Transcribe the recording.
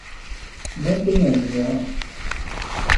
میں کویاں دیاں؟